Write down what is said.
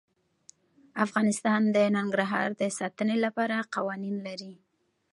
افغانستان د ننګرهار د ساتنې لپاره قوانین لري.